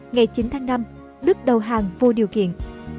ngày chín tháng năm đức đầu hàng vô điều kiện